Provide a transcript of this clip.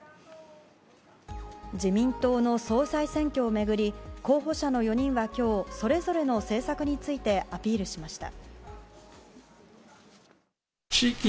自民党の総裁選挙を巡り候補者の４人は今日それぞれの政策についてアピールしました。